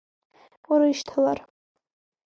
Урышьҭалар…